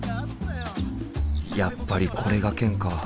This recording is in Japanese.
やっぱりこれがケンか。